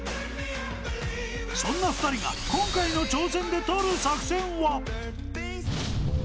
［そんな２人が今回の挑戦で取る作戦は］